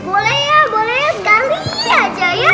boleh ya boleh sekali aja ya